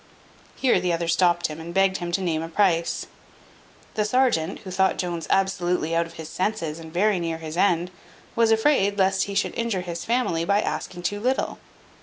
Here the other stopped him, and begged him to name a price. The serjeant, who thought Jones absolutely out of his senses, and very near his end, was afraid lest he should injure his family by asking too little.